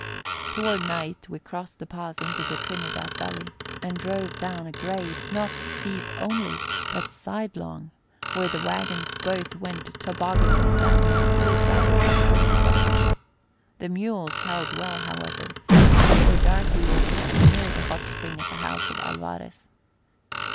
Toward night, we crossed the pass into the Trinidad Valley and drove down a grade not steep only, but sidelong, where the wagons both went tobogganing down and slid rapidly toward the gulch. The mules held well, however, and before dark we were camped near the hot spring at the house of Alvarez.